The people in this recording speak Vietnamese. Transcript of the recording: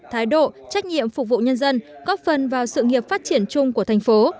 thái độ trách nhiệm phục vụ nhân dân góp phần vào sự nghiệp phát triển chung của thành phố